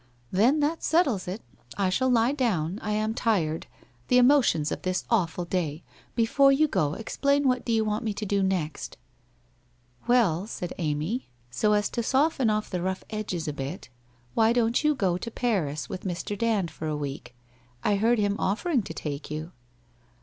' Then that settles it. I shall lie down. I am tired — the emotions of this awful day — before you go explain what do you want me to do next ?' 1 Well,' said Amy, ' so as to soften off the rough edges a bit, why don't you go to Paris with Mr. Dand for a week? I heard him offering to take you.'